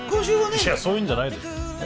いやそういうんじゃないでしょ。え？